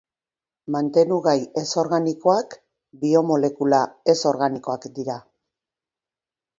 Mantenugai ez-organikoak biomolekula ez-organikoak dira